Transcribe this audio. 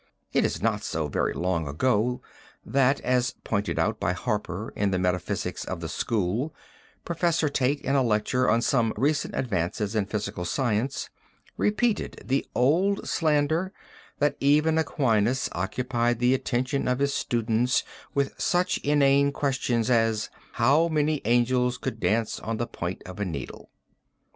It is not so very long ago that, as pointed out by Harper in the Metaphysics of the School, Professor Tate in a lecture on Some Recent Advances in Physical Science repeated the old slander that even Aquinas occupied the attention of his students with such inane questions as: "How many angels could dance on the point of a needle?"